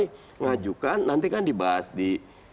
mengajukan nanti kan dibahas di